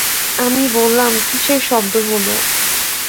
আমি বললাম, কিসের শব্দ হল?